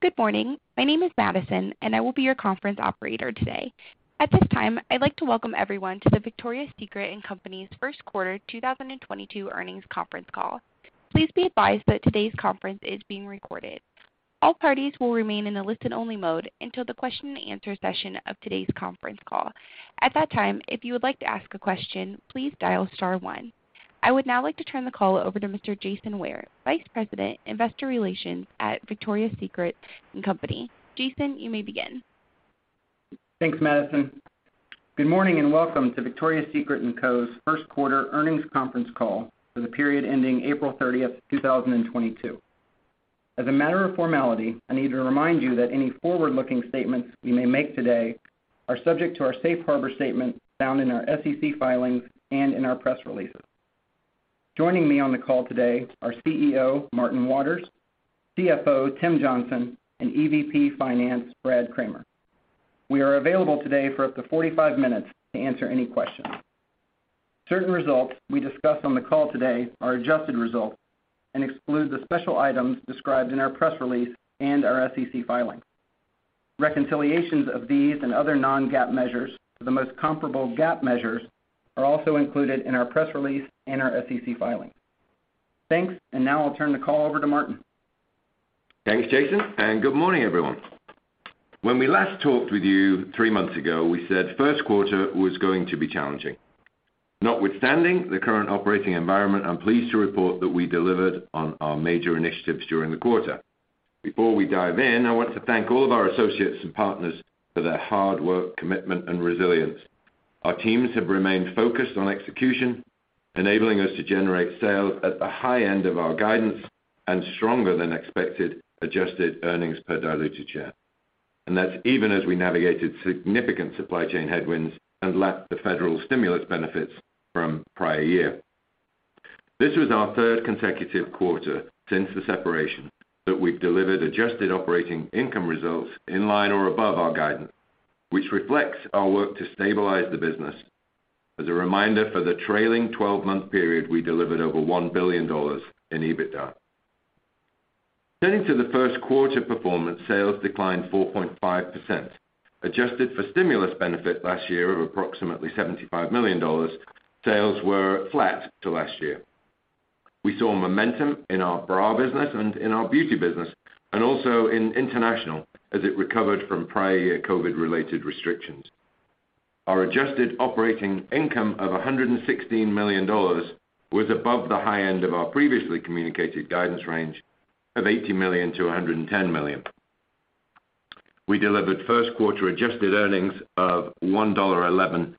Good morning. My name is Madison, and I will be your conference operator today. At this time, I'd like to welcome everyone to the Victoria's Secret & Company 1st quarter 2022 earnings conference call. Please be advised that today's conference is being recorded. All parties will remain in the listen-only mode until the question and answer session of today's conference call. At that time, if you would like to ask a question, please dial star one. I would now like to turn the call over to Mr. Jason Ware, Vice President, Investor Relations at Victoria's Secret & Company. Jason, you may begin. Thanks, Madison. Good morning, and welcome to Victoria's Secret & Co.'s 1st quarter earnings conference call for the period ending April 30th, 2022. As a matter of formality, I need to remind you that any forward-looking statements we may make today are subject to our safe harbor statement found in our SEC filings and in our press releases. Joining me on the call today are CEO, Martin Waters, CFO, Timothy Johnson, and EVP Finance, Brad Kramer. We are available today for up to 45 minutes to answer any questions. Certain results we discuss on the call today are adjusted results and exclude the special items described in our press release and our SEC filing. Reconciliations of these and other non-GAAP measures to the most comparable GAAP measures are also included in our press release and our SEC filing. Thanks. Now I'll turn the call over to Martin. Thanks, Jason, and good morning, everyone. When we last talked with you three months ago, we said 1st quarter was going to be challenging. Notwithstanding the current operating environment, I'm pleased to report that we delivered on our major initiatives during the quarter. Before we dive in, I want to thank all of our associates and partners for their hard work, commitment, and resilience. Our teams have remained focused on execution, enabling us to generate sales at the high end of our guidance and stronger than expected adjusted earnings per diluted share. That's even as we navigated significant supply chain headwinds and lacked the federal stimulus benefits from prior year. This was our 3rd consecutive quarter since the separation that we've delivered adjusted operating income results in line or above our guidance, which reflects our work to stabilize the business. As a reminder, for the trailing twelve-month period, we delivered over $1 billion in EBITDA. Turning to the 1st quarter performance, sales declined 4.5%. Adjusted for stimulus benefit last year of approximately $75 million, sales were flat to last year. We saw momentum in our bra business and in our beauty business, and also in international as it recovered from prior year COVID-related restrictions. Our adjusted operating income of $116 million was above the high end of our previously communicated guidance range of $80 million-$110 million. We delivered 1st quarter adjusted earnings of $1.11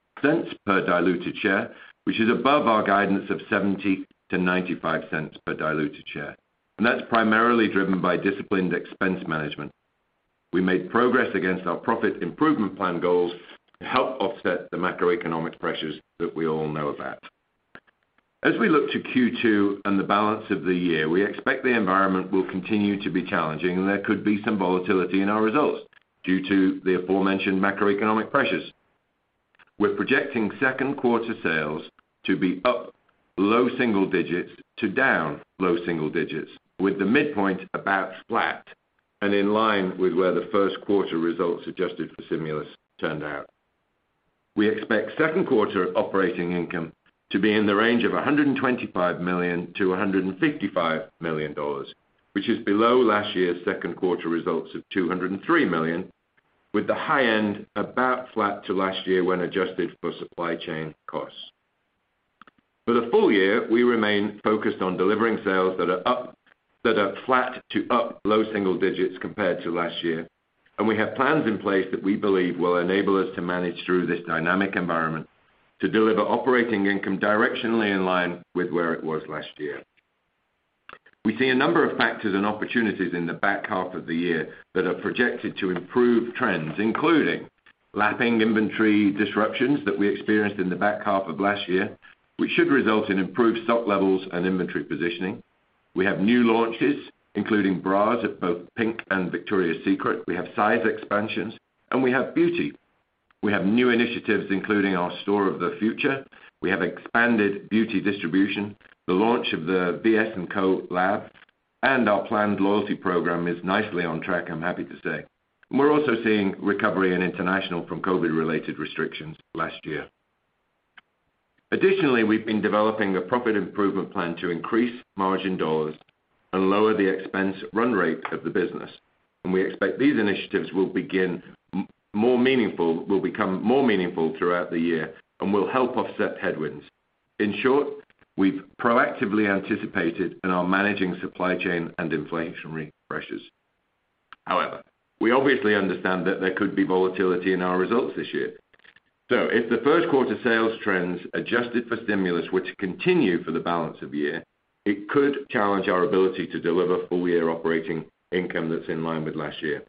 per diluted share, which is above our guidance of $0.70-$0.95 per diluted share. That's primarily driven by disciplined expense management. We made progress against our profit improvement plan goals to help offset the macroeconomic pressures that we all know about. As we look to Q2 and the balance of the year, we expect the environment will continue to be challenging, and there could be some volatility in our results due to the aforementioned macroeconomic pressures. We're projecting 2nd quarter sales to be up low single digits to down low single digits, with the midpoint about flat and in line with where the 1st quarter results adjusted for stimulus turned out. We expect 2nd quarter operating income to be in the range of $125 million-$155 million, which is below last year's 2nd quarter results of $203 million, with the high end about flat to last year when adjusted for supply chain costs. For the full year, we remain focused on delivering sales that are flat to up low single digits compared to last year. We have plans in place that we believe will enable us to manage through this dynamic environment to deliver operating income directionally in line with where it was last year. We see a number of factors and opportunities in the back half of the year that are projected to improve trends, including lapping inventory disruptions that we experienced in the back half of last year, which should result in improved stock levels and inventory positioning. We have new launches, including bras at both. We have size expansions, and we have beauty. We have new initiatives, including our Store of the Future. We have expanded beauty distribution, the launch of the VS&Co-Lab, and our planned loyalty program is nicely on track, I'm happy to say. We're also seeing recovery in international from COVID-related restrictions last year. Additionally, we've been developing a profit improvement plan to increase margin dollars and lower the expense run rate of the business, and we expect these initiatives will become more meaningful throughout the year and will help offset headwinds. In short, we've proactively anticipated and are managing supply chain and inflationary pressures. However, we obviously understand that there could be volatility in our results this year. If the 1st quarter sales trends adjusted for stimulus were to continue for the balance of the year, it could challenge our ability to deliver full-year operating income that's in line with last year.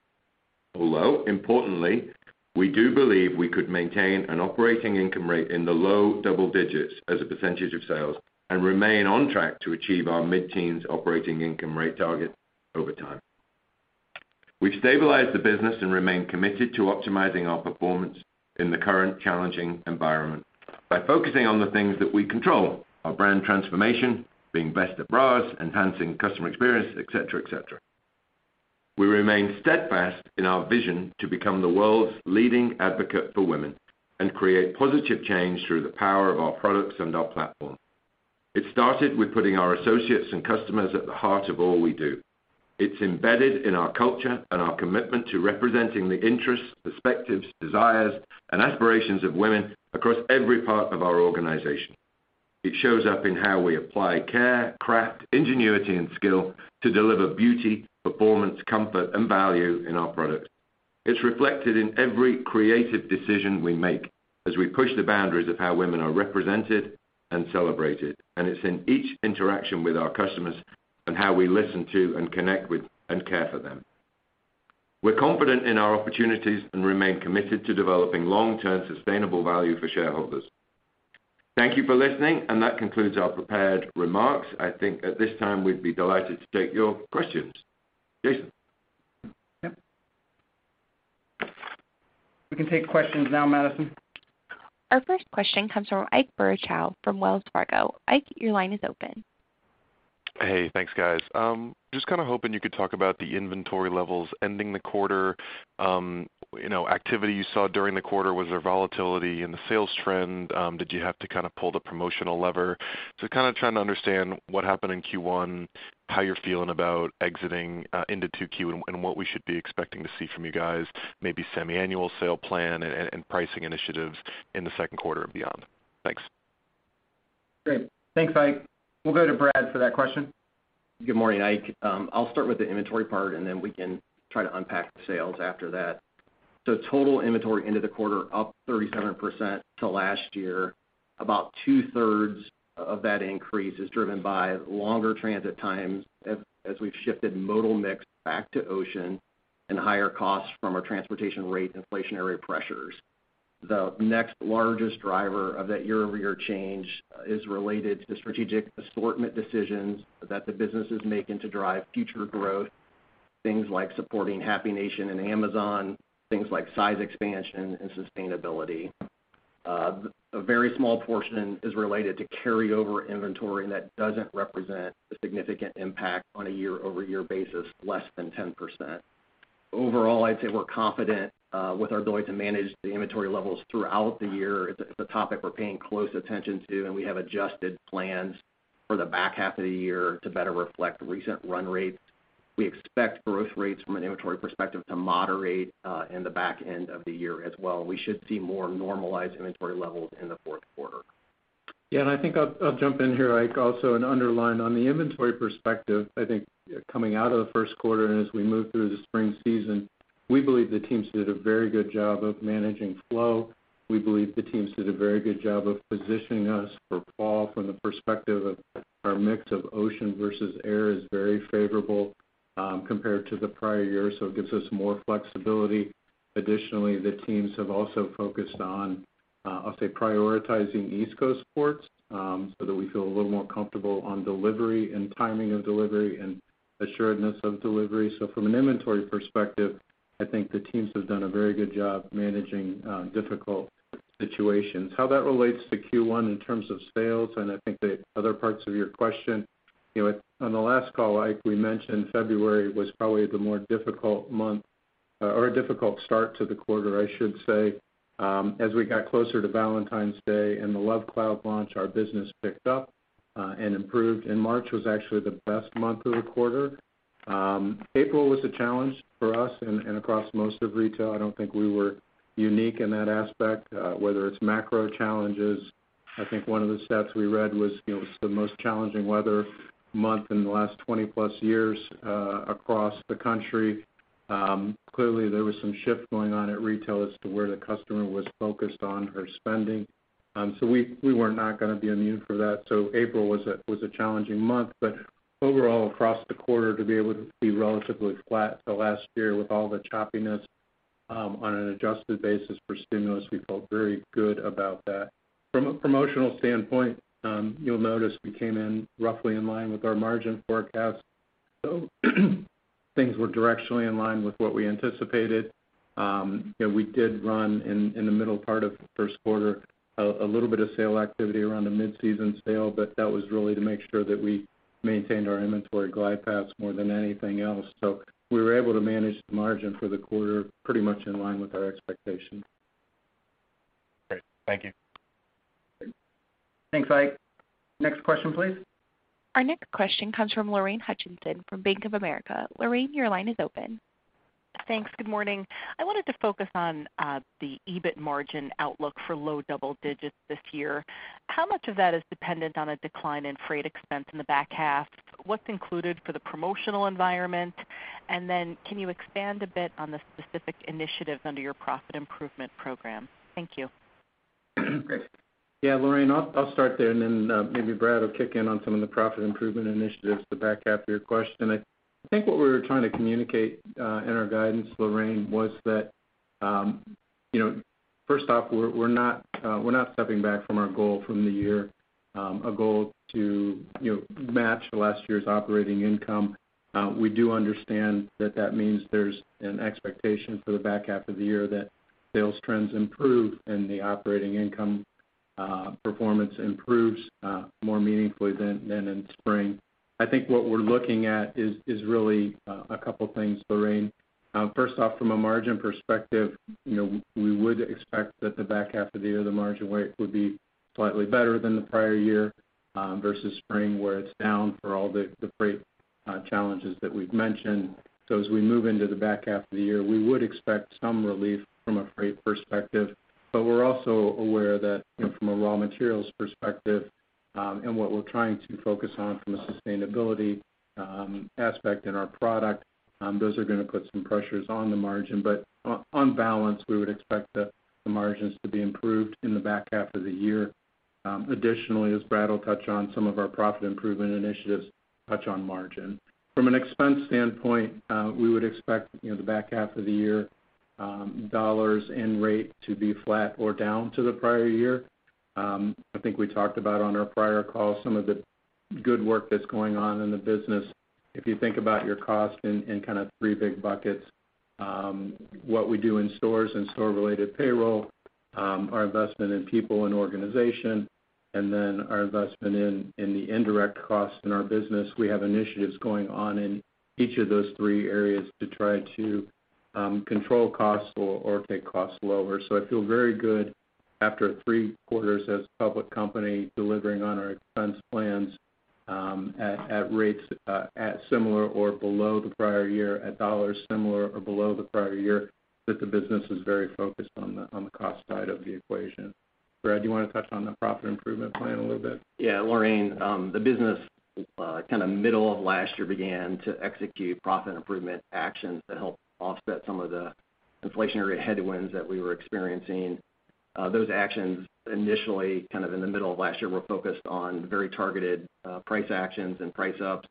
Although, importantly, we do believe we could maintain an operating income rate in the low double digits as a percentage of sales and remain on track to achieve our mid-teens operating income rate target over time. We've stabilized the business and remain committed to optimizing our performance in the current challenging environment. By focusing on the things that we control, our brand transformation, being best at bras, enhancing customer experience, et cetera, et cetera. We remain steadfast in our vision to become the world's leading advocate for women and create positive change through the power of our products and our platform. It started with putting our associates and customers at the heart of all we do. It's embedded in our culture and our commitment to representing the interests, perspectives, desires, and aspirations of women across every part of our organization. It shows up in how we apply care, craft, ingenuity, and skill to deliver beauty, performance, comfort, and value in our products. It's reflected in every creative decision we make as we push the boundaries of how women are represented and celebrated, and it's in each interaction with our customers and how we listen to and connect with and care for them. We're confident in our opportunities and remain committed to developing long-term sustainable value for shareholders. Thank you for listening, and that concludes our prepared remarks. I think at this time, we'd be delighted to take your questions. Jason? Yep. We can take questions now, Madison. Our 1st question comes from Ike Boruchow from Wells Fargo. Ike, your line is open. Hey, thanks, guys. Just kinda hoping you could talk about the inventory levels ending the quarter, you know, activity you saw during the quarter. Was there volatility in the sales trend? Did you have to kinda pull the promotional lever? Kinda trying to understand what happened in Q1, how you're feeling about exiting into 2Q, and what we should be expecting to see from you guys, maybe semi-annual sales plan and pricing initiatives in the 2nd quarter and beyond. Thanks. Great. Thanks, Ike. We'll go to Brad for that question. Good morning, Ike. I'll start with the inventory part, and then we can try to unpack the sales after that. Total inventory end of the quarter up 37% to last year. About 2/3 of that increase is driven by longer transit times as we've shifted modal mix back to ocean and higher costs from our transportation rate inflationary pressures. The next largest driver of that year-over-year change is related to the strategic assortment decisions that the business is making to drive future growth, things like supporting Happy Nation and Amazon, things like size expansion and sustainability. A very small portion is related to carryover inventory, and that doesn't represent a significant impact on a year-over-year basis, less than 10%. Overall, I'd say we're confident with our ability to manage the inventory levels throughout the year. It's a topic we're paying close attention to, and we have adjusted plans for the back half of the year to better reflect recent run rates. We expect growth rates from an inventory perspective to moderate in the back end of the year as well. We should see more normalized inventory levels in the 4th quarter. I think I'll jump in here, Ike, also and underline on the inventory perspective. I think coming out of the 1st quarter and as we move through the spring season, we believe the teams did a very good job of managing flow. We believe the teams did a very good job of positioning us for fall from the perspective of our mix of ocean versus air is very favorable, compared to the prior year, so it gives us more flexibility. Additionally, the teams have also focused on, I'll say prioritizing East Coast ports, so that we feel a little more comfortable on delivery and timing of delivery and assuredness of delivery. From an inventory perspective, I think the teams have done a very good job managing difficult situations. How that relates to Q1 in terms of sales, and I think the other parts of your question, you know, on the last call, Ike, we mentioned February was probably the more difficult month or a difficult start to the quarter, I should say. As we got closer to Valentine's Day and The Love Cloud launch, our business picked up, and improved, and March was actually the best month of the quarter. April was a challenge for us and across most of retail. I don't think we were unique in that aspect, whether it's macro challenges. I think one of the stats we read was, you know, it was the most challenging weather month in the last 20-plus years across the country. Clearly, there was some shift going on at retail as to where the customer was focused on her spending. We were not gonna be immune for that. April was a challenging month. Overall, across the quarter, to be able to be relatively flat to last year with all the choppiness, on an adjusted basis for stimulus, we felt very good about that. From a promotional standpoint, you'll notice we came in roughly in line with our margin forecast. Things were directionally in line with what we anticipated. You know, we did run in the middle part of the 1st quarter a little bit of sale activity around the mid-season sale, but that was really to make sure that we maintained our inventory glide paths more than anything else. We were able to manage the margin for the quarter pretty much in line with our expectations. Great. Thank you. Thanks, Ike. Next question, please. Our next question comes from Lorraine Hutchinson from Bank of America. Lorraine, your line is open. Thanks. Good morning. I wanted to focus on the EBIT margin outlook for low double digits this year. How much of that is dependent on a decline in freight expense in the back half? What's included for the promotional environment? Can you expand a bit on the specific initiatives under your profit improvement program? Thank you. Yeah, Lorraine, I'll start there, and then maybe Brad will kick in on some of the profit improvement initiatives, the back half of your question. I think what we were trying to communicate in our guidance, Lorraine, was that, you know, 1st off, we're not stepping back from our goal from the year, a goal to, you know, match last year's operating income. We do understand that that means there's an expectation for the back half of the year that sales trends improve and the operating income performance improves more meaningfully than in spring. I think what we're looking at is really a couple things, Lorraine. First off, from a margin perspective, you know, we would expect that the back half of the year, the margin rate would be slightly better than the prior year, versus spring, where it's down for all the freight challenges that we've mentioned. As we move into the back half of the year, we would expect some relief from a freight perspective. We're also aware that, you know, from a raw materials perspective, and what we're trying to focus on from a sustainability aspect in our product, those are gonna put some pressures on the margin. On balance, we would expect the margins to be improved in the back half of the year. Additionally, as Brad will touch on, some of our profit improvement initiatives touch on margin. From an expense standpoint, we would expect, you know, the back half of the year, dollars and rate to be flat or down to the prior year. I think we talked about on our prior call some of the good work that's going on in the business. If you think about our costs in kind of three big buckets, what we do in stores and store-related payroll, our investment in people and organization, and then our investment in the indirect costs in our business, we have initiatives going on in each of those three areas to try to control costs or take costs lower. I feel very good after three quarters as a public company delivering on our expense plans, at rates similar or below the prior year, at dollars similar or below the prior year, that the business is very focused on the cost side of the equation. Brad, do you wanna touch on the profit improvement plan a little bit? Yeah, Lorraine, the business, kinda middle of last year began to execute profit improvement actions that helped offset some of the inflationary headwinds that we were experiencing. Those actions initially, kind of in the middle of last year, were focused on very targeted, price actions and price ups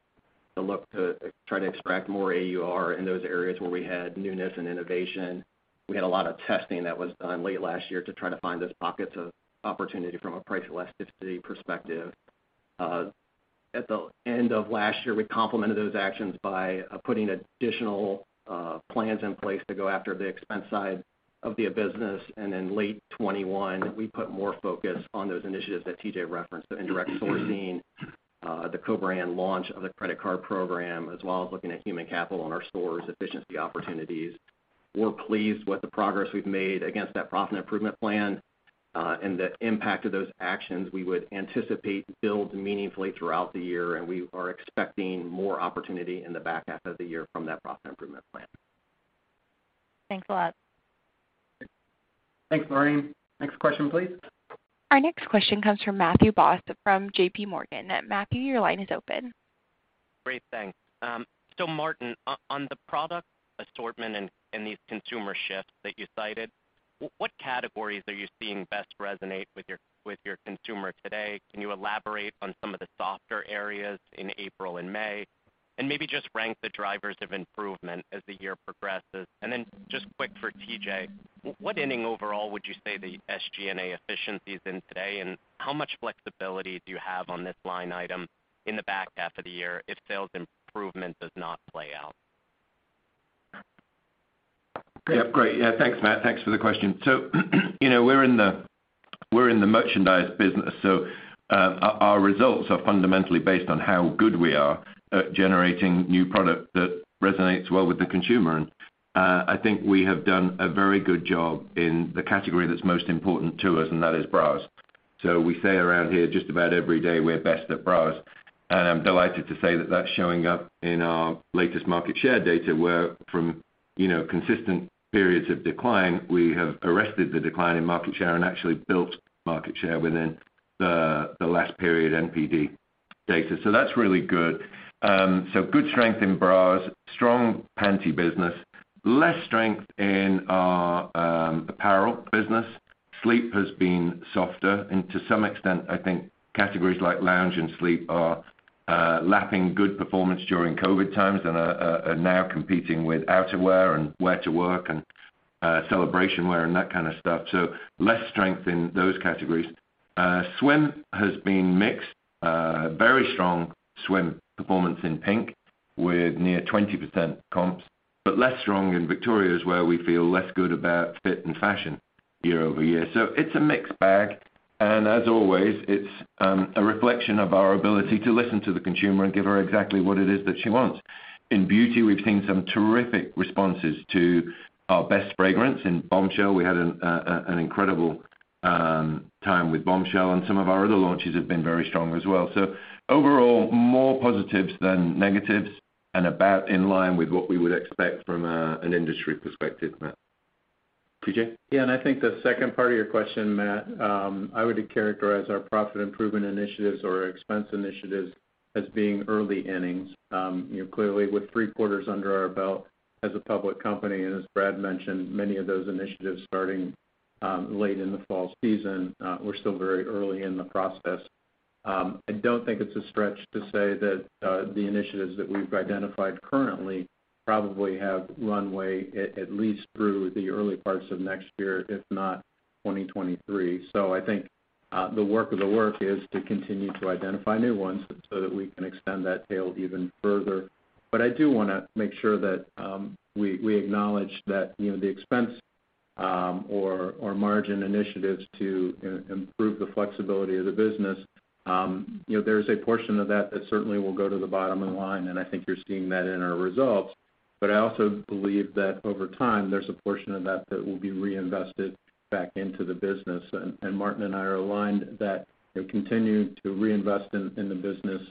to look to try to extract more AUR in those areas where we had newness and innovation. We had a lot of testing that was done late last year to try to find those pockets of opportunity from a price elasticity perspective. At the end of last year, we complemented those actions by putting additional plans in place to go after the expense side of the business. In late 2021, we put more focus on those initiatives that TJ referenced, the indirect sourcing, the co-brand launch of the credit card program, as well as looking at human capital in our stores, efficiency opportunities. We're pleased with the progress we've made against that profit improvement plan, and the impact of those actions we would anticipate build meaningfully throughout the year, and we are expecting more opportunity in the back half of the year from that profit improvement plan. Thanks a lot. Thanks, Lorraine. Next question, please. Our next question comes from Matthew Boss from J.P. Morgan. Matthew, your line is open. Great, thanks. Martin, on the product assortment and these consumer shifts that you cited, what categories are you seeing best resonate with your consumer today? Can you elaborate on some of the softer areas in April and May? Maybe just rank the drivers of improvement as the year progresses. Just quick for TJ, what inning overall would you say the SG&A efficiency is in today, and how much flexibility do you have on this line item in the back half of the year if sales improvement does not play out? Yeah, great. Yeah, thanks, Matt. Thanks for the question. You know, we're in the merchandise business, so our results are fundamentally based on how good we are at generating new product that resonates well with the consumer. I think we have done a very good job in the category that's most important to us, and that is bras. We say around here just about every day, we're best at bras. I'm delighted to say that that's showing up in our latest market share data, where from, you know, consistent periods of decline, we have arrested the decline in market share and actually built market share within the last period NPD data. That's really good. Good strength in bras, strong panty business, less strength in our apparel business. Sleep has been softer, and to some extent, I think categories like lounge and sleep are lapping good performance during COVID times and are now competing with outerwear and wear to work and celebration wear and that kind of stuff. Less strength in those categories. Swim has been mixed. Very strong swim performance in PINK with near 20% comps, but less strong in Victoria's where we feel less good about fit and fashion year-over-year. It's a mixed bag. As always, it's a reflection of our ability to listen to the consumer and give her exactly what it is that she wants. In beauty, we've seen some terrific responses to our best fragrance. In Bombshell, we had an incredible time with Bombshell, and some of our other launches have been very strong as well. Overall, more positives than negatives and about in line with what we would expect from an industry perspective, Matt. TJ? Yeah, I think the 2nd part of your question, Matt, I would characterize our profit improvement initiatives or expense initiatives as being early innings. You know, clearly with three quarters under our belt as a public company, and as Brad mentioned, many of those initiatives starting late in the fall season, we're still very early in the process. I don't think it's a stretch to say that the initiatives that we've identified currently probably have runway at least through the early parts of next year, if not 2023. I think The work is to continue to identify new ones so that we can extend that tail even further. I do wanna make sure that we acknowledge that, you know, the expense or margin initiatives to improve the flexibility of the business, you know, there's a portion of that that certainly will go to the bottom line, and I think you're seeing that in our results. I also believe that over time, there's a portion of that that will be reinvested back into the business. Martin and I are aligned that we continue to reinvest in the business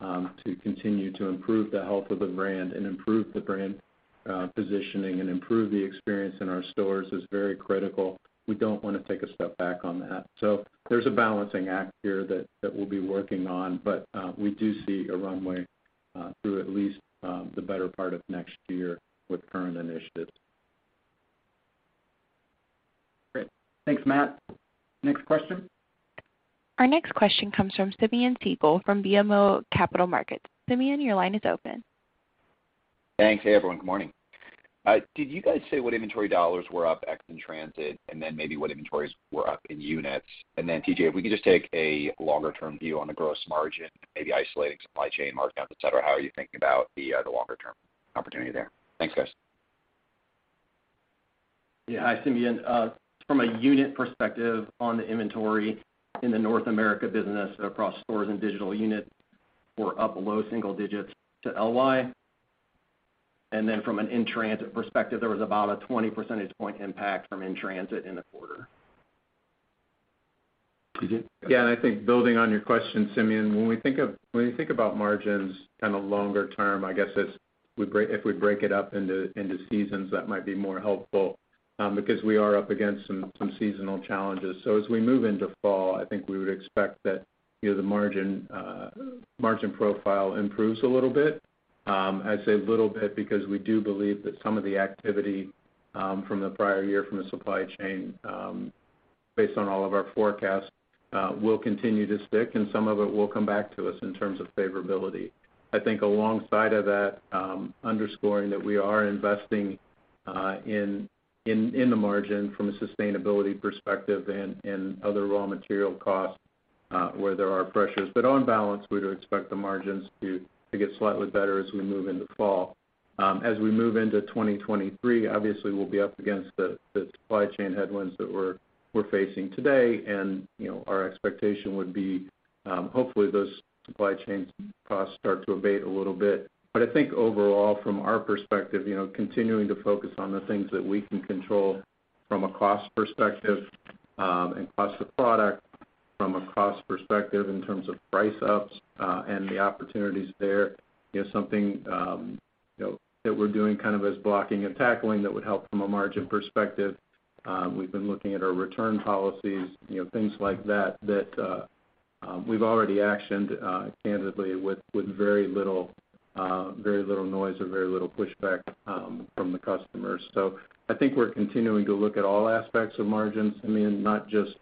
to continue to improve the health of the brand and improve the brand positioning and improve the experience in our stores is very critical. We don't wanna take a step back on that. There's a balancing act here that we'll be working on, but we do see a runway through at least the better part of next year with current initiatives. Great. Thanks, Matt. Next question. Our next question comes from Simeon Siegel from BMO Capital Markets. Simeon, your line is open. Thanks. Hey, everyone. Good morning. Did you guys say what inventory dollars were up ex in transit, and then maybe what inventories were up in units? Then TJ, if we could just take a longer-term view on the gross margin, maybe isolating supply chain markups, et cetera, how are you thinking about the longer term opportunity there? Thanks, guys. Yeah. Hi, Simeon. From a unit perspective on the inventory in the North America business across stores and digital units were up low single digits to LY. Then from an in-transit perspective, there was about a 20 percentage point impact from in transit in the quarter. TJ. Yeah. I think building on your question, Simeon, when you think about margins kind of longer term, I guess if we break it up into seasons, that might be more helpful, because we are up against some seasonal challenges. As we move into fall, I think we would expect that, you know, the margin profile improves a little bit. I say a little bit because we do believe that some of the activity from the prior year, from the supply chain, based on all of our forecasts, will continue to stick and some of it will come back to us in terms of favorability. I think alongside of that, underscoring that we are investing in the margin from a sustainability perspective and other raw material costs where there are pressures. On balance, we'd expect the margins to get slightly better as we move into fall. As we move into 2023, obviously, we'll be up against the supply chain headwinds that we're facing today. You know, our expectation would be, hopefully those supply chain costs start to abate a little bit. I think overall from our perspective, you know, continuing to focus on the things that we can control from a cost perspective, and cost of product from a cost perspective in terms of price-ups, and the opportunities there, is something, you know, that we're doing kind of as blocking and tackling that would help from a margin perspective. We've been looking at our return policies, you know, things like that we've already actioned, candidly with very little noise or very little pushback from the customers. I think we're continuing to look at all aspects of margins, I mean, not just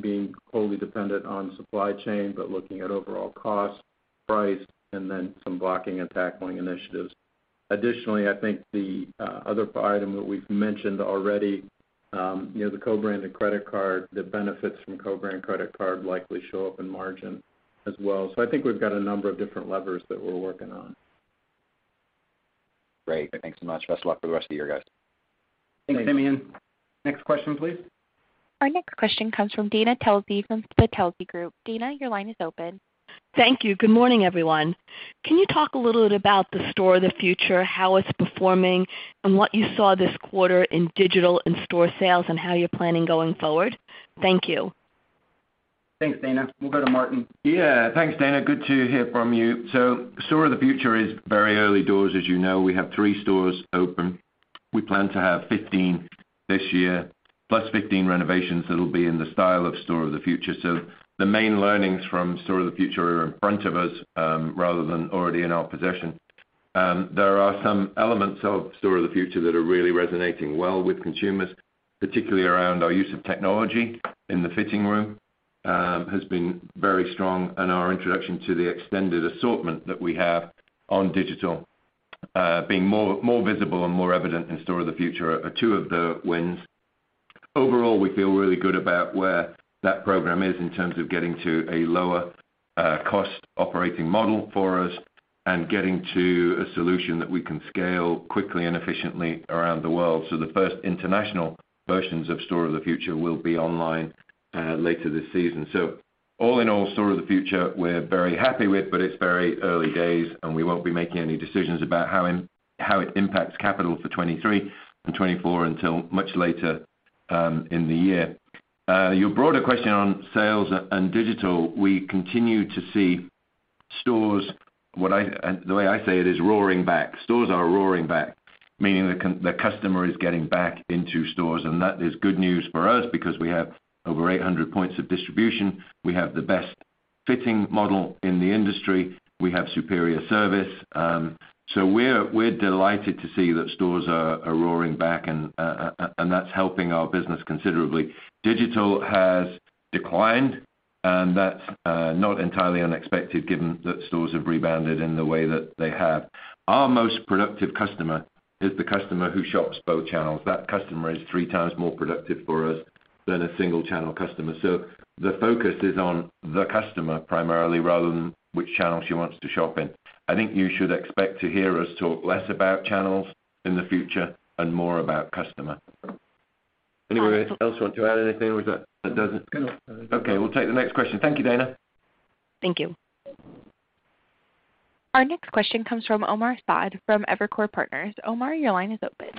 being wholly dependent on supply chain, but looking at overall cost, price, and then some blocking and tackling initiatives. Additionally, I think the other item that we've mentioned already, you know, the co-branded credit card, the benefits from co-brand credit card likely show up in margin as well. I think we've got a number of different levers that we're working on. Great. Thanks so much. Best of luck for the rest of the year, guys. Thanks, Simeon. Next question, please. Our next question comes from Dana Telsey from Telsey Advisory Group. Dana, your line is open. Thank you. Good morning, everyone. Can you talk a little bit about the Store of the Future, how it's performing, and what you saw this quarter in digital and in-store sales and how you're planning going forward? Thank you. Thanks, Dana. We'll go to Martin. Yeah. Thanks, Dana. Good to hear from you. Store of the Future is very early doors. As you know, we have three stores open. We plan to have 15 this year, plus 15 renovations that'll be in the style of Store of the Future. The main learnings from Store of the Future are in front of us, rather than already in our possession. There are some elements of Store of the Future that are really resonating well with consumers, particularly around our use of technology in the fitting room, has been very strong, and our introduction to the extended assortment that we have on digital, being more visible and more evident in Store of the Future are two of the wins. Overall, we feel really good about where that program is in terms of getting to a lower cost operating model for us and getting to a solution that we can scale quickly and efficiently around the world. The 1st international versions of Store of the Future will be online later this season. All in all, Store of the Future we're very happy with, but it's very early days, and we won't be making any decisions about how it impacts capital for 2023 and 2024 until much later in the year. Your broader question on sales and digital, we continue to see stores, the way I say it is roaring back. Stores are roaring back, meaning the customer is getting back into stores, and that is good news for us because we have over 800 points of distribution. We have the best fitting model in the industry. We have superior service. We're delighted to see that stores are roaring back and that's helping our business considerably. Digital has declined. That's not entirely unexpected given that stores have rebounded in the way that they have. Our most productive customer is the customer who shops both channels. That customer is three times more productive for us than a single channel customer. The focus is on the customer primarily rather than which channel she wants to shop in. I think you should expect to hear us talk less about channels in the future and more about customer. Anybody else want to add anything or is that does it? No. Okay, we'll take the next question. Thank you, Dana. Thank you. Our next question comes from Omar Saad from Evercore Partners. Omar, your line is open.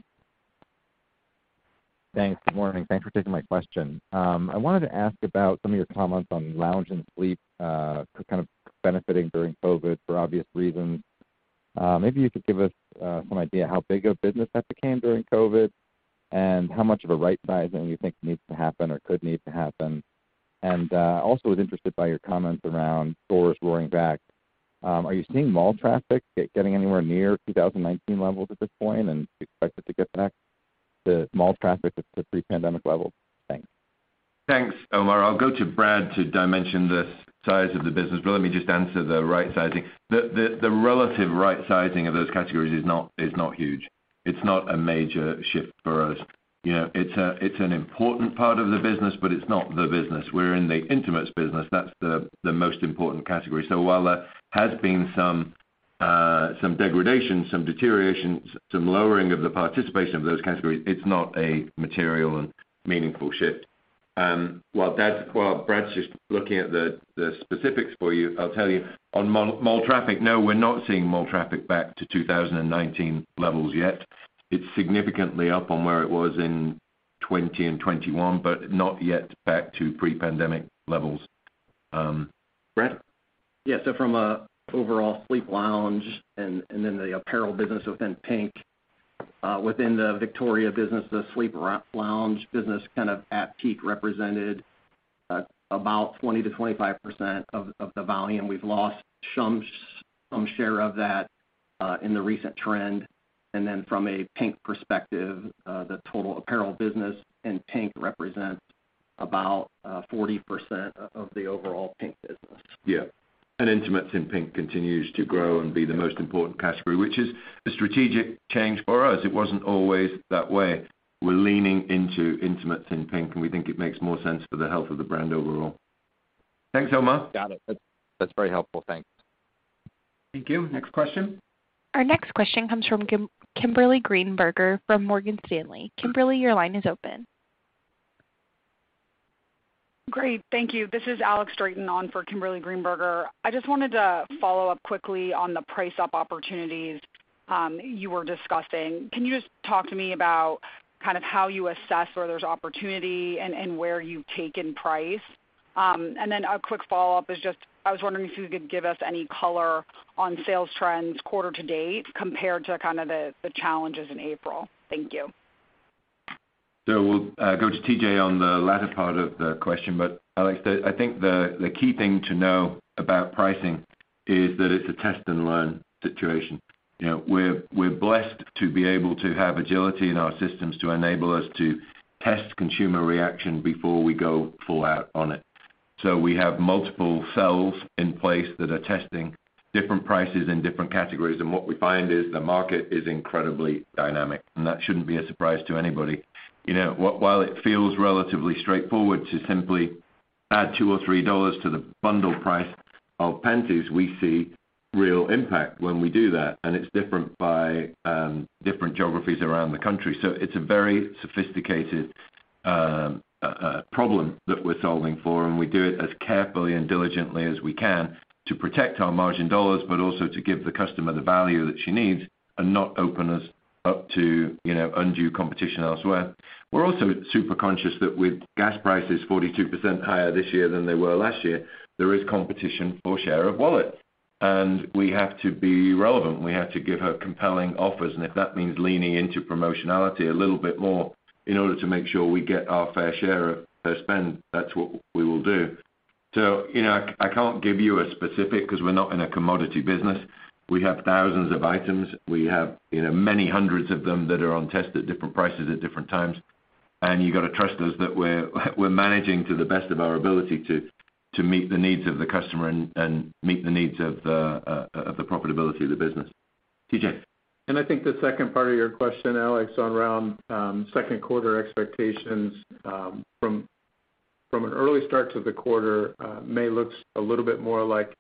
Thanks. Good morning. Thanks for taking my question. I wanted to ask about some of your comments on lounge and sleep, kind of benefiting during COVID for obvious reasons. Maybe you could give us some idea how big a business that became during COVID, and how much of a right sizing you think needs to happen or could need to happen. Also was interested by your comments around stores roaring back. Are you seeing mall traffic getting anywhere near 2019 levels at this point, and do you expect it to get back to mall traffic to pre-pandemic levels? Thanks. Thanks, Omar. I'll go to Brad to dimension the size of the business, but let me just answer the right sizing. The relative right sizing of those categories is not huge. It's not a major shift for us. You know, it's an important part of the business, but it's not the business. We're in the intimates business. That's the most important category. So while there has been some degradation, some deterioration, some lowering of the participation of those categories, it's not a material and meaningful shift. While Brad's just looking at the specifics for you, I'll tell you on mall traffic, no, we're not seeing mall traffic back to 2019 levels yet. It's significantly up on where it was in 2020 and 2021, but not yet back to pre-pandemic levels. Brad? Yeah. From a overall sleep lounge and then the apparel business within PINK within the Victoria business, the sleep lounge business kind of at peak represented about 20%-25% of the volume. We've lost some share of that in the recent trend. From a PINK perspective, the total apparel business in PINK represents about 40% of the overall PINK business. Yeah. Intimates in PINK continues to grow and be the most important category, which is a strategic change for us. It wasn't always that way. We're leaning into intimates in PINK, and we think it makes more sense for the health of the brand overall. Thanks, Omar. Got it. That's very helpful. Thanks. Thank you. Next question. Our next question comes from Kimberly Greenberger from Morgan Stanley. Kimberly, your line is open. Great. Thank you. This is Alex Straton for Kimberly Greenberger. I just wanted to follow up quickly on the price up opportunities you were discussing. Can you just talk to me about kind of how you assess where there's opportunity and where you've taken price? A quick follow-up is just, I was wondering if you could give us any color on sales trends quarter to date compared to kind of the challenges in April. Thank you. We'll go to TJ on the latter part of the question. Alex, I think the key thing to know about pricing is that it's a test and learn situation. You know, we're blessed to be able to have agility in our systems to enable us to test consumer reaction before we go full out on it. We have multiple cells in place that are testing different prices in different categories. What we find is the market is incredibly dynamic, and that shouldn't be a surprise to anybody. You know, while it feels relatively straightforward to simply add $2 or $3 to the bundle price of panties, we see real impact when we do that, and it's different by different geographies around the country. It's a very sophisticated problem that we're solving for, and we do it as carefully and diligently as we can to protect our margin dollars, but also to give the customer the value that she needs and not open us up to, you know, undue competition elsewhere. We're also super conscious that with gas prices 42% higher this year than they were last year, there is competition for share of wallet. We have to be relevant. We have to give her compelling offers. If that means leaning into promotionality a little bit more in order to make sure we get our fair share of her spend, that's what we will do. You know, I can't give you a specific because we're not in a commodity business. We have thousands of items. We have, you know, many hundreds of them that are on test at different prices at different times, and you got to trust us that we're managing to the best of our ability to meet the needs of the customer and meet the needs of the profitability of the business. TJ? I think the 2nd part of your question, Alex, around 2nd quarter expectations, from an early start to the quarter, May looks a little bit more like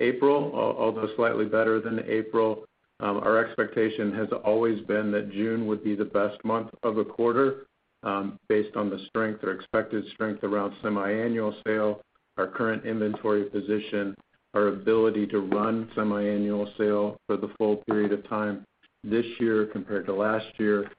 April, although slightly better than April. Our expectation has always been that June would be the best month of the quarter, based on the strength or expected strength around semiannual sale, our current inventory position, our ability to run semiannual sale for the full period of time this year compared to last year.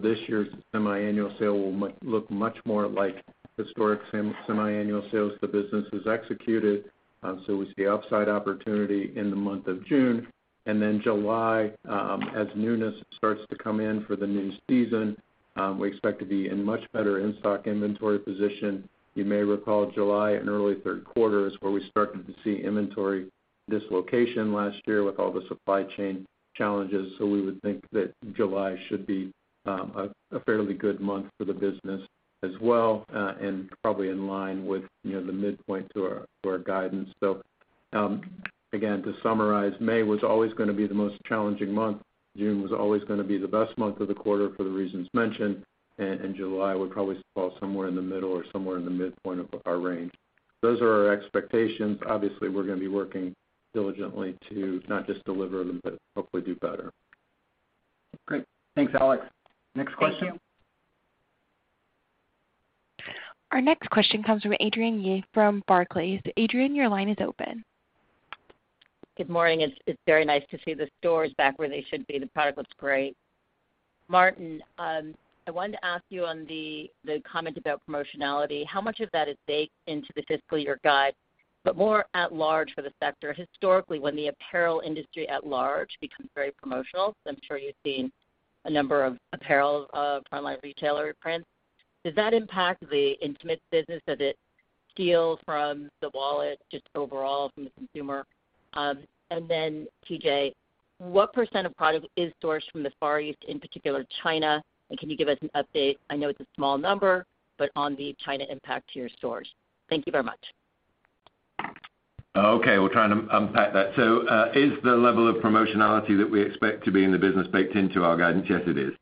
This year's semiannual sale will look much more like historic semiannual sales the business has executed. We see upside opportunity in the month of June. July, as newness starts to come in for the new season, we expect to be in much better in-stock inventory position. You may recall July and early 3rd quarter is where we started to see inventory dislocation last year with all the supply chain challenges. We would think that July should be a fairly good month for the business as well, and probably in line with, you know, the midpoint to our guidance. So Again, to summarize, May was always gonna be the most challenging month. June was always gonna be the best month of the quarter for the reasons mentioned, and July would probably fall somewhere in the middle or somewhere in the midpoint of our range. Those are our expectations. Obviously, we're gonna be working diligently to not just deliver them, but hopefully do better. Great. Thanks, Alex. Next question. Thank you. Our next question comes from Adrienne Yih from Barclays. Adrienne, your line is open. Good morning. It's very nice to see the stores back where they should be. The product looks great. Martin, I wanted to ask you on the comment about promotionality, how much of that is baked into the fiscal year guide, but more at large for the sector? Historically, when the apparel industry at large becomes very promotional, I'm sure you've seen a number of apparel online retailer prints, does that impact the Intimates business that it steals from the wallet just overall from the consumer? And then TJ, what percent of product is sourced from the Far East, in particular China? And can you give us an update? I know it's a small number, but on the China impact to your stores. Thank you very much. Okay, we'll try and unpack that. Is the level of promotionality that we expect to be in the business baked into our guidance? Yes, it is.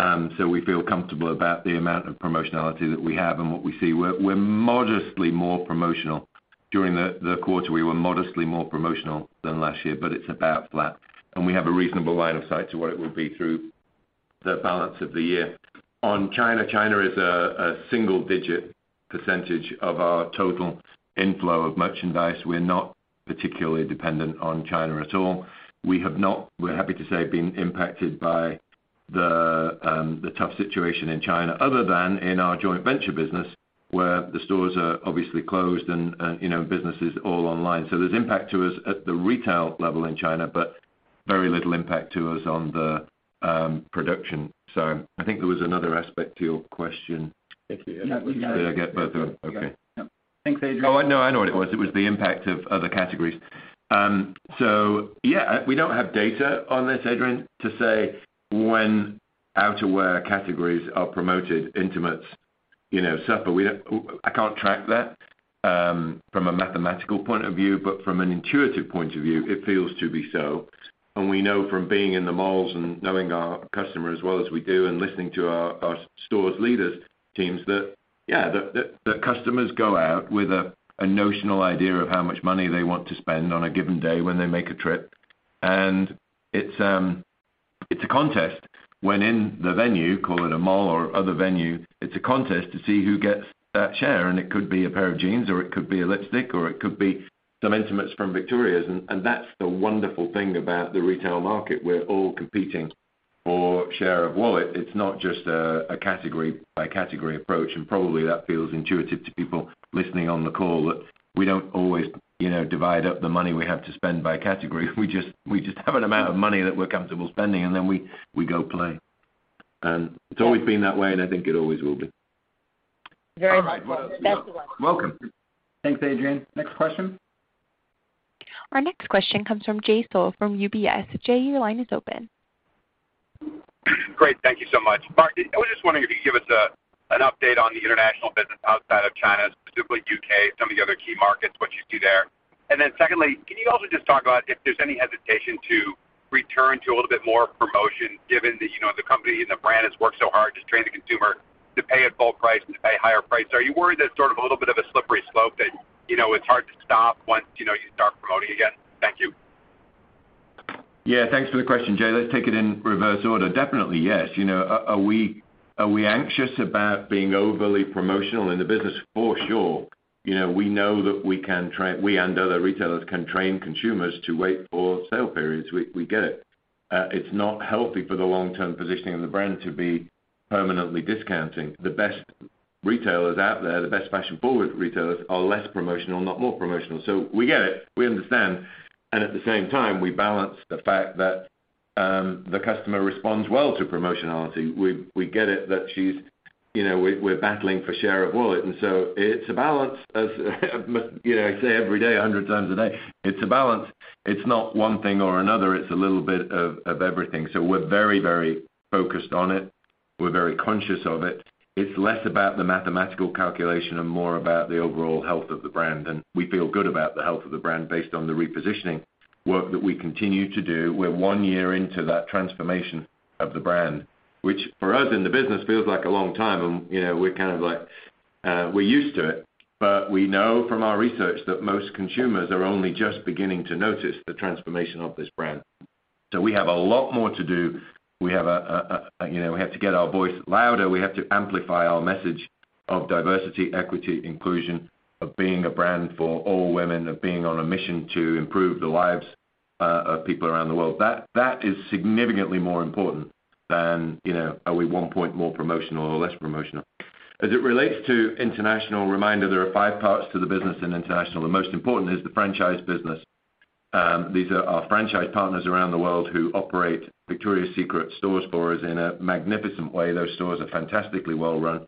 We feel comfortable about the amount of promotionality that we have and what we see. We're modestly more promotional. During the quarter, we were modestly more promotional than last year, but it's about flat. We have a reasonable line of sight to what it will be through the balance of the year. On China is a single-digit percentage of our total inflow of merchandise. We're not particularly dependent on China at all. We have not, we're happy to say, been impacted by the tough situation in China other than in our joint venture business, where the stores are obviously closed and, you know, business is all online. There's impact to us at the retail level in China, but very little impact to us on the production. Sorry. I think there was another aspect to your question. I think you had Yeah. Did I get both of them? Okay. Yeah. Thanks, Adrienne. Oh, no, I know what it was. It was the impact of other categories. Yeah, we don't have data on this, Adrienne, to say when outerwear categories are promoted, intimates, you know, suffer. I can't track that from a mathematical point of view, but from an intuitive point of view, it feels to be so. We know from being in the malls and knowing our customers as well as we do and listening to our stores leaders teams that customers go out with a notional idea of how much money they want to spend on a given day when they make a trip. It's a contest when in the venue, call it a mall or other venue, to see who gets that share, and it could be a pair of jeans, or it could be a lipstick, or it could be some intimates from Victoria's. That's the wonderful thing about the retail market. We're all competing for share of wallet. It's not just a category by category approach, and probably that feels intuitive to people listening on the call that we don't always, you know, divide up the money we have to spend by category. We just have an amount of money that we're comfortable spending, and then we go play. It's always been that way, and I think it always will be. Very much so. Thanks, Adrienne. Next question. Our next question comes from Jay Sole from UBS. Jay, your line is open. Great. Thank you so much. Martin, I was just wondering if you could give us an update on the international business outside of China, specifically U.K., some of the other key markets, what you see there. Secondly, can you also just talk about if there's any hesitation to return to a little bit more promotion given that, you know, the company and the brand has worked so hard to train the consumer to pay at full price and to pay higher price. Are you worried that it's sort of a little bit of a slippery slope that, you know, it's hard to stop once, you know, you start promoting again? Thank you. Yeah. Thanks for the question, Jay. Let's take it in reverse order. Definitely, yes. You know, are we anxious about being overly promotional in the business? For sure. You know, we know that we and other retailers can train consumers to wait for sale periods. We get it. It's not healthy for the long-term positioning of the brand to be permanently discounting. The best retailers out there, the best fashion-forward retailers are less promotional, not more promotional. We get it, we understand, and at the same time, we balance the fact that the customer responds well to promotionality. We get it that she's, you know, we're battling for share of wallet, and so it's a balance as you know, I say every day, 100 times a day, it's a balance. It's not one thing or another. It's a little bit of everything. We're very focused on it. We're very conscious of it. It's less about the mathematical calculation and more about the overall health of the brand. We feel good about the health of the brand based on the repositioning work that we continue to do. We're one year into that transformation of the brand, which for us in the business feels like a long time and, you know, we're kind of like, we're used to it, but we know from our research that most consumers are only just beginning to notice the transformation of this brand. We have a lot more to do. We have, you know, we have to get our voice louder. We have to amplify our message of diversity, equity, inclusion, of being a brand for all women, of being on a mission to improve the lives of people around the world. That is significantly more important than, you know, are we one point more promotional or less promotional. As it relates to international, reminder, there are five parts to the business in international. The most important is the franchise business. These are our franchise partners around the world who operate Victoria's Secret stores for us in a magnificent way. Those stores are fantastically well run,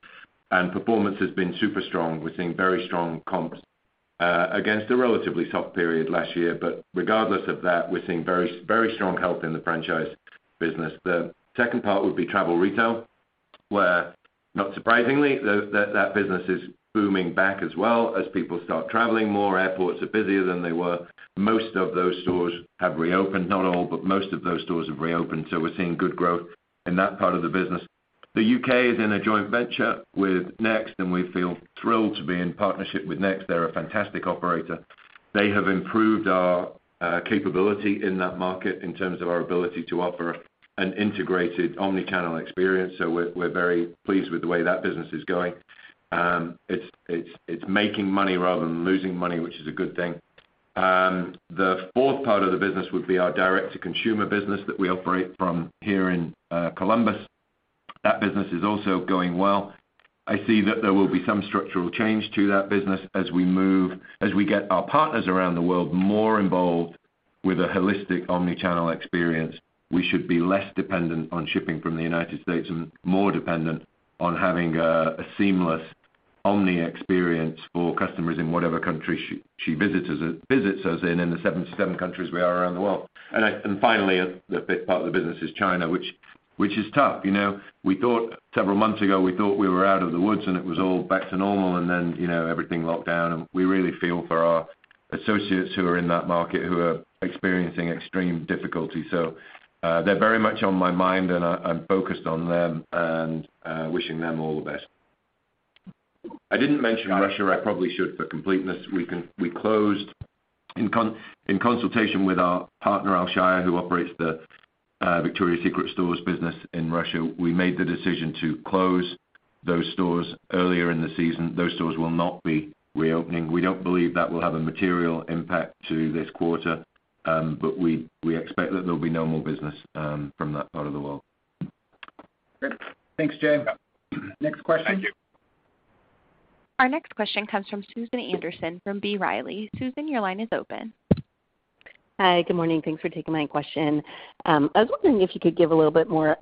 and performance has been super strong. We're seeing very strong comps against a relatively soft period last year. But regardless of that, we're seeing very, very strong health in the franchise business. The 2nd part would be travel retail, where, not surprisingly, that business is booming back as well as people start traveling more, airports are busier than they were. Most of those stores have reopened. Not all, but most of those stores have reopened. We're seeing good growth in that part of the business. The U.K. is in a joint venture with Next, and we feel thrilled to be in partnership with Next. They're a fantastic operator. They have improved our capability in that market in terms of our ability to offer an integrated omni-channel experience. We're very pleased with the way that business is going. It's making money rather than losing money, which is a good thing. The 4th part of the business would be our direct-to-consumer business that we operate from here in Columbus. That business is also going well. I see that there will be some structural change to that business as we get our partners around the world more involved with a holistic omni-channel experience. We should be less dependent on shipping from the United States and more dependent on having a seamless omni experience for customers in whatever country she visits us in the seven countries we are around the world. Finally, a big part of the business is China, which is tough. You know, several months ago, we thought we were out of the woods, and it was all back to normal. Then, you know, everything locked down, and we really feel for our associates who are in that market, who are experiencing extreme difficulty. They're very much on my mind, and I'm focused on them and wishing them all the best. I didn't mention Russia. I probably should for completeness. We closed in consultation with our partner, Alshaya, who operates the Victoria's Secret stores business in Russia. We made the decision to close those stores earlier in the season. Those stores will not be reopening. We don't believe that will have a material impact to this quarter, but we expect that there'll be no more business from that part of the world. Good. Thanks, Jay. Next question. Thank you. Our next question comes from Susan Anderson from B. Riley Securities. Susan, your line is open. Hi. Good morning. Thanks for taking my question. I was wondering if you could give a little bit more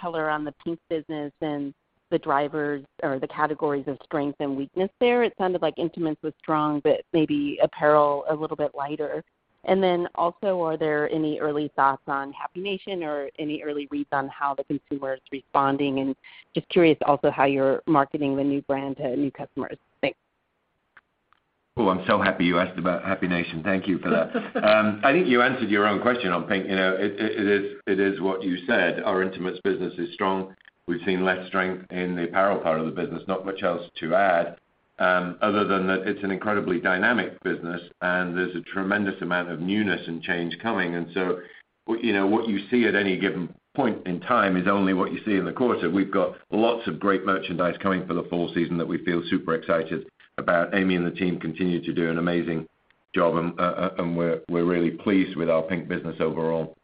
color on the PINK business and the drivers or the categories of strength and weakness there. It sounded like intimates was strong, but maybe apparel a little bit lighter. Are there any early thoughts on Happy Nation or any early reads on how the consumer is responding? Just curious also how you're marketing the new brand to new customers. Thanks. Oh, I'm so happy you asked about Happy Nation. Thank you for that. I think you answered your own question on PINK. You know, it is what you said. Our intimates business is strong. We've seen less strength in the apparel part of the business. Not much else to add, other than that it's an incredibly dynamic business, and there's a tremendous amount of newness and change coming. You know, what you see at any given point in time is only what you see in the quarter. We've got lots of great merchandise coming for the fall season that we feel super excited about. Amy and the team continue to do an amazing job, and we're really pleased with our PINK business overall.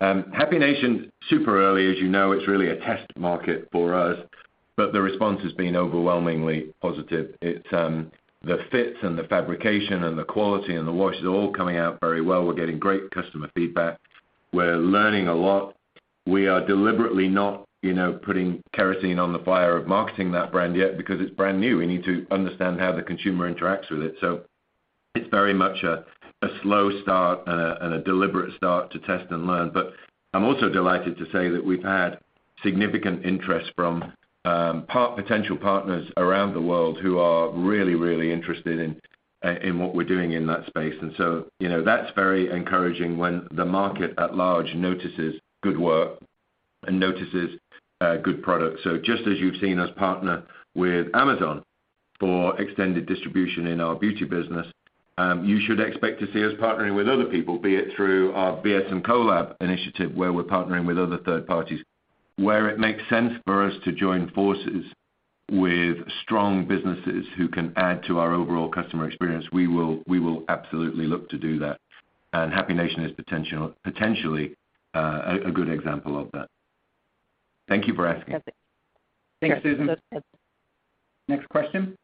Happy Nation, super early, as you know, it's really a test market for us, but the response has been overwhelmingly positive. It's the fit and the fabrication and the quality and the wash is all coming out very well. We're getting great customer feedback. We're learning a lot. We are deliberately not, you know, putting kerosene on the fire of marketing that brand yet because it's brand new. We need to understand how the consumer interacts with it. It's very much a slow start and a deliberate start to test and learn. I'm also delighted to say that we've had significant interest from potential partners around the world who are really, really interested in what we're doing in that space. You know, that's very encouraging when the market at large notices good work and notices good product. Just as you've seen us partner with Amazon for extended distribution in our beauty business, you should expect to see us partnering with other people, be it through our VS&Co-Lab initiative, where we're partnering with other 3rd parties. Where it makes sense for us to join forces with strong businesses who can add to our overall customer experience, we will absolutely look to do that. Happy Nation is potentially a good example of that. Thank you for asking. Okay, thanks. Thanks, Susan. Next question.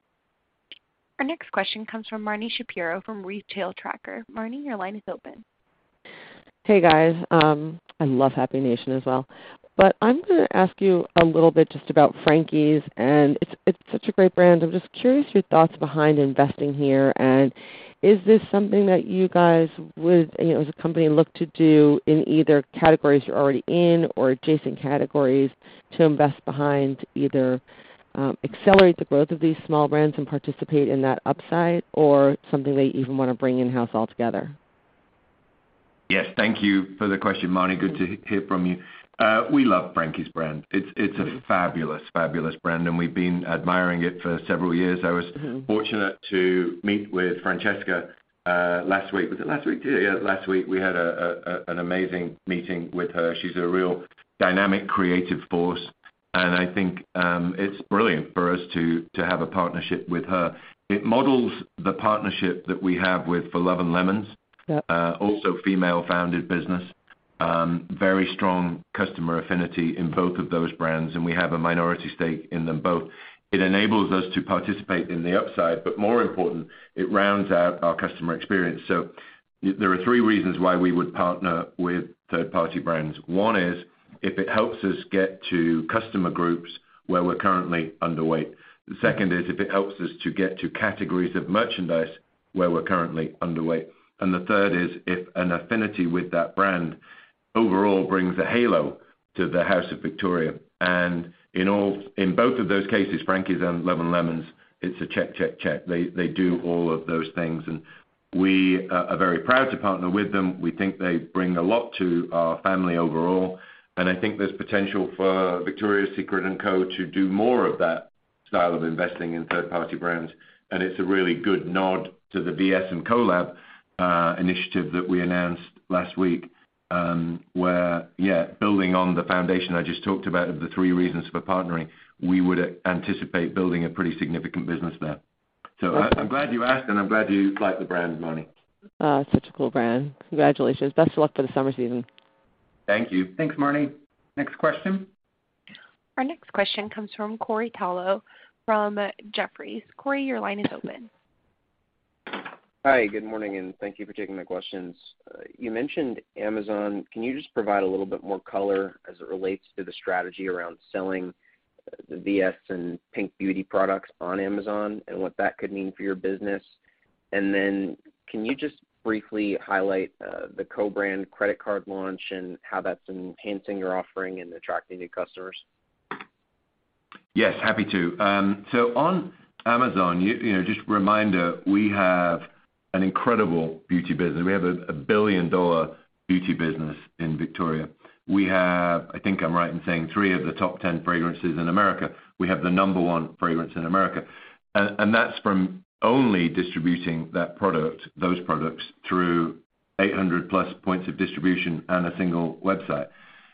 Our next question comes from Marni Shapiro from The Retail Tracker. Marni, your line is open. Hey, guys. I love Happy Nation as well, but I'm gonna ask you a little bit just about Frankies, and it's such a great brand. I'm just curious your thoughts behind investing here, and is this something that you guys would, you know, as a company look to do in either categories you're already in or adjacent categories to invest behind either accelerate the growth of these small brands and participate in that upside or something that you even wanna bring in-house altogether? Yes. Thank you for the question, Marni. Good to hear from you. We love Frankies Brand. It's a fabulous brand, and we've been admiring it for several years. Mm-hmm. I was fortunate to meet with Francesca last week. Was it last week? Yeah, last week, we had an amazing meeting with her. She's a real dynamic, creative force, and I think it's brilliant for us to have a partnership with her. It models the partnership that we have with For Love & Lemons. Yep. Also female-founded business. Very strong customer affinity in both of those brands, and we have a minority stake in them both. It enables us to participate in the upside, but more important, it rounds out our customer experience. There are three reasons why we would partner with 3rd-party brands. One is if it helps us get to customer groups where we're currently underweight. The 2nd is if it helps us to get to categories of merchandise where we're currently underweight. The 3rd is if an affinity with that brand overall brings a halo to the House of Victoria's Secret. In both of those cases, Frankies Bikinis and For Love & Lemons, it's a check, check. They do all of those things, and we are very proud to partner with them. We think they bring a lot to our family overall, and I think there's potential for Victoria's Secret & Co. to do more of that style of investing in 3rd-party brands. It's a really good nod to the VS&Co-Lab initiative that we announced last week, where, yeah, building on the foundation I just talked about of the three reasons for partnering, we would anticipate building a pretty significant business there. I'm glad you asked, and I'm glad you like the brand, Marni. Such a cool brand. Congratulations. Best of luck for the summer season. Thank you. Thanks, Marni. Next question. Our next question comes from Corey Tarlowe from Jefferies. Corey, your line is open. Hi, good morning, and thank you for taking my questions. You mentioned Amazon. Can you just provide a little bit more color as it relates to the strategy around selling the VS and PINK Beauty products on Amazon and what that could mean for your business? Can you just briefly highlight the co-brand credit card launch and how that's enhancing your offering and attracting new customers? Yes, happy to. On Amazon, you know, just a reminder, we have an incredible beauty business. We have a billion-dollar beauty business in Victoria's. We have, I think I'm right in saying, three of the top 10 fragrances in America. We have the number one fragrance in America. That's from only distributing that product, those products through 800+ points of distribution and a single website.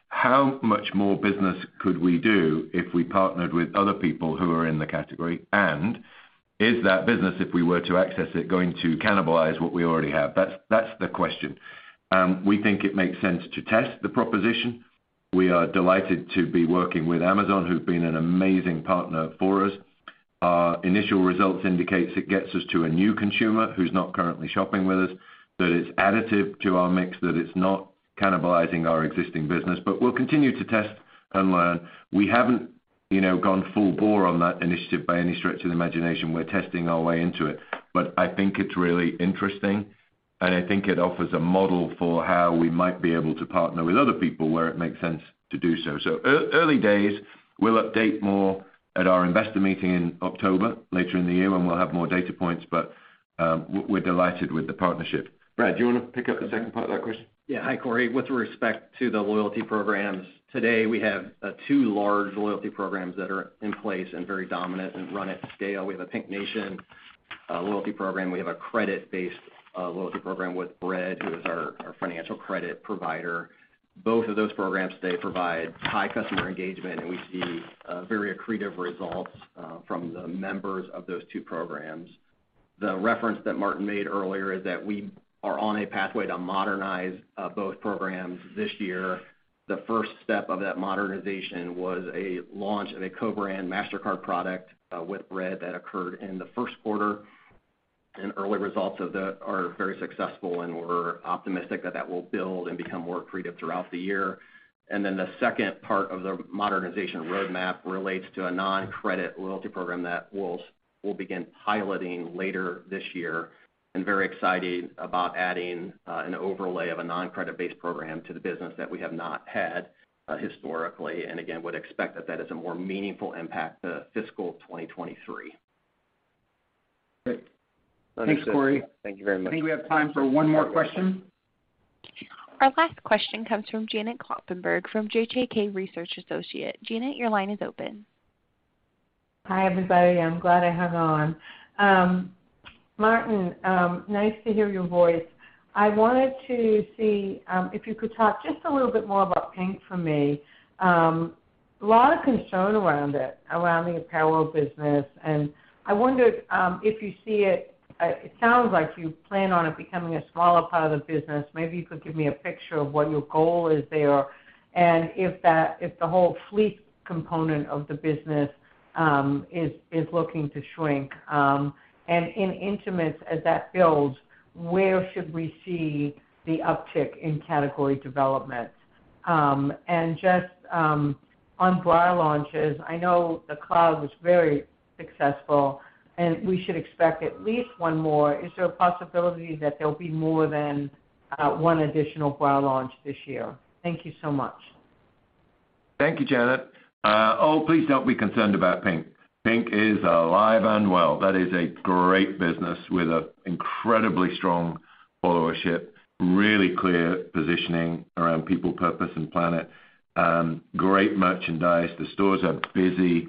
How much more business could we do if we partnered with other people who are in the category, and is that business, if we were to access it, going to cannibalize what we already have? That's the question. We think it makes sense to test the proposition. We are delighted to be working with Amazon, who've been an amazing partner for us. Our initial results indicates it gets us to a new consumer who's not currently shopping with us, that it's additive to our mix, that it's not cannibalizing our existing business, but we'll continue to test and learn. We haven't, you know, gone full bore on that initiative by any stretch of the imagination. We're testing our way into it. I think it's really interesting, and I think it offers a model for how we might be able to partner with other people where it makes sense to do so. Early days, we'll update more at our investor meeting in October, later in the year when we'll have more data points, but we're delighted with the partnership. Brad, do you wanna pick up the 2nd part of that question? Yeah. Hi, Corey. With respect to the loyalty programs, today, we have two large loyalty programs that are in place and very dominant and run at scale. We have a PINK Nation loyalty program. We have a credit-based loyalty program with Bread, who is our financial credit provider. Both of those programs today provide high customer engagement, and we see very accretive results from the members of those two programs. The reference that Martin made earlier is that we are on a pathway to modernize both programs this year. The 1st step of that modernization was a launch of a co-brand Mastercard product with Bread that occurred in the 1st quarter, and early results of that are very successful, and we're optimistic that that will build and become more accretive throughout the year. The 2nd part of the modernization roadmap relates to a non-credit loyalty program that we'll begin piloting later this year. I'm very excited about adding an overlay of a non-credit-based program to the business that we have not had historically, and again, would expect that is a more meaningful impact to fiscal 2023. Great. Thanks, Corey. Thank you very much. I think we have time for one more question. Our last question comes from Janet Kloppenburg from JJK Research Associates. Janet, your line is open. Hi, everybody. I'm glad I hung on. Martin, nice to hear your voice. I wanted to see if you could talk just a little bit more about PINK for me. A lot of concern around it, around the apparel business, and I wondered if you see it. It sounds like you plan on it becoming a smaller part of the business. Maybe you could give me a picture of what your goal is there and if the whole fleet component of the business is looking to shrink. In intimates as that builds, where should we see the uptick in category development? Just on bra launches, I know the Cloud was very successful, and we should expect at least one more. Is there a possibility that there'll be more than one additional bra launch this year? Thank you so much. Thank you, Janet. Please don't be concerned about PINK. PINK is alive and well. That is a great business with an incredibly strong followership, really clear positioning around people, purpose, and planet, great merchandise. The stores are busy.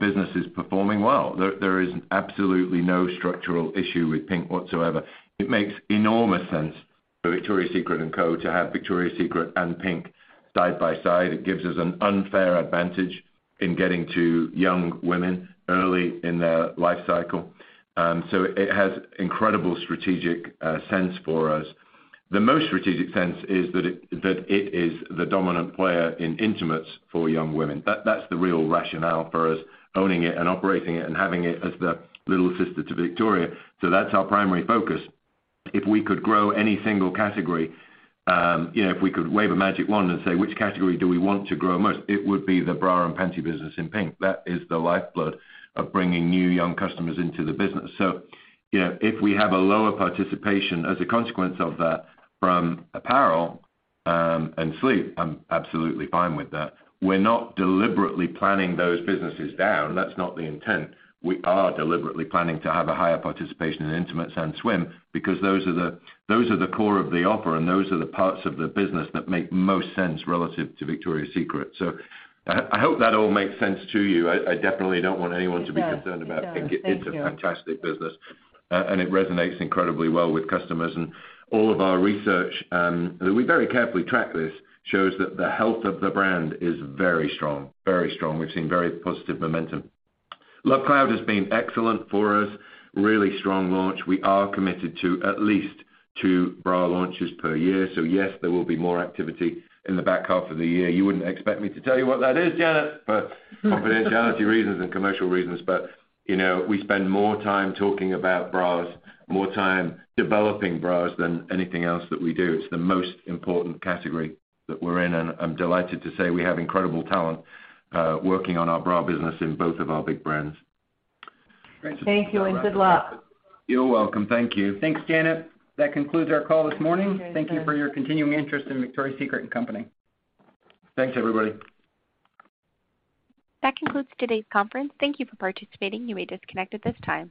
Business is performing well. There is absolutely no structural issue with PINK whatsoever. It makes enormous sense for Victoria's Secret & Co. to have Victoria's Secret and PINK side by side. It gives us an unfair advantage in getting to young women early in their life cycle. It has incredible strategic sense for us. The most strategic sense is that it is the dominant player in intimates for young women. That's the real rationale for us owning it and operating it and having it as the little sister to Victoria, so that's our primary focus. If we could grow any single category, you know, if we could wave a magic wand and say, which category do we want to grow most, it would be the bra and panty business in PINK. That is the lifeblood of bringing new young customers into the business. You know, if we have a lower participation as a consequence of that from apparel, and sleep, I'm absolutely fine with that. We're not deliberately planning those businesses down. That's not the intent. We are deliberately planning to have a higher participation in intimates and swim because those are the core of the offer, and those are the parts of the business that make most sense relative to Victoria's Secret. I definitely don't want anyone to be concerned about PINK. It does. Yeah. Thank you. It's a fantastic business, and it resonates incredibly well with customers. All of our research, we very carefully track this, shows that the health of the brand is very strong, very strong. We've seen very positive momentum. The Love Cloud has been excellent for us, really strong launch. We are committed to at least two bra launches per year, so yes, there will be more activity in the back half of the year. You wouldn't expect me to tell you what that is, Janet, for confidentiality reasons and commercial reasons. You know, we spend more time talking about bras, more time developing bras than anything else that we do. It's the most important category that we're in, and I'm delighted to say we have incredible talent, working on our bra business in both of our big brands. Great. Thank you and good luck. You're welcome. Thank you. Thanks, Janet. That concludes our call this morning. Thank you for your continuing interest in Victoria's Secret & Co. Thanks, everybody. That concludes today's conference. Thank you for participating. You may disconnect at this time.